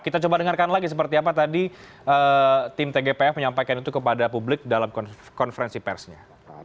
kita coba dengarkan lagi seperti apa tadi tim tgpf menyampaikan itu kepada publik dalam konferensi persnya